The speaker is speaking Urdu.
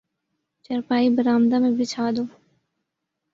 چارپائی برآمدہ میں بچھا دو